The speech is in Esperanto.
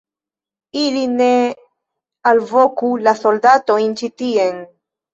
ili ne alvoku la soldatojn ĉi tien!